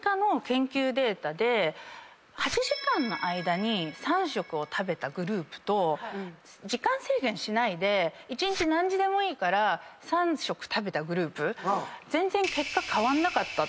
８時間の間に３食を食べたグループと時間制限しないで何時でもいいから３食食べたグループ全然結果変わんなかった。